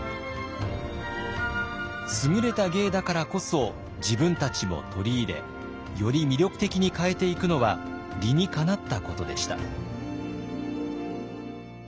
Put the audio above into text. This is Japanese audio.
優れた芸だからこそ自分たちも取り入れより魅力的に変えていくのは理にかなったことでした。